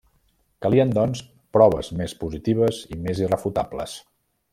Calien doncs, proves més positives i més irrefutables.